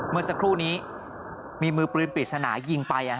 เมื่อสักครู่นี้มีมือปืนปริศนายิงไป